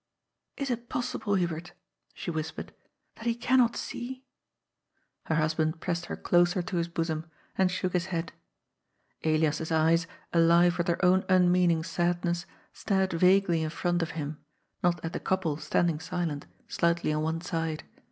" Is it possible, Hubert," she whispered, " that he can not see ?" Her husband pressed her closer to his bosom, and shook 20 80« GOD'S FOOL. his head. Elias's eyes, alive with their own unmeaning sad ness, stared vaguely in front of him, not at the couple standing silent, slightly on one side.